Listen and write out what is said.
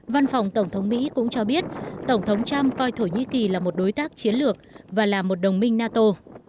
văn phòng tổng thống mỹ cũng cho biết tổng thống trump coi thổ nhĩ kỳ là một đối tác chiến lược và là một đồng minh nato